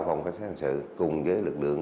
phòng phán xét hành sự cùng với lực lượng